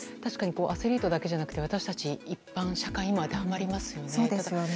アスリートだけでなくて私たち一般社会にも当てはまりますよね。